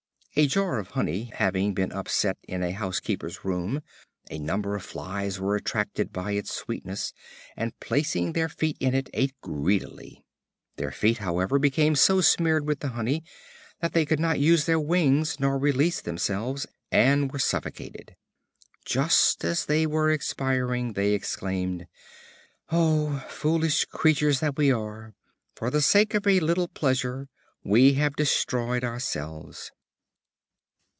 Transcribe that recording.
A Jar of Honey having been upset in a housekeeper's room, a number of flies were attracted by its sweetness, and placing their feet in it, ate it greedily. Their feet, however, became so smeared with the honey that they could not use their wings, nor release themselves, and were suffocated. Just as they were expiring, they exclaimed, "O foolish creatures that we are! For the sake of a little pleasure we have destroyed ourselves."